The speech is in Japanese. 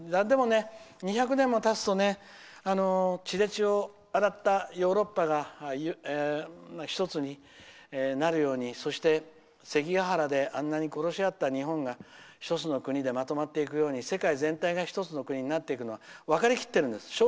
でもね、２００年もたつと血で血を洗ったヨーロッパが１つになるようにそして関ケ原であんなに殺し合った日本が１つの国でまとまっていくように世界全体が１つの国になっていくのは分かりきってるんです。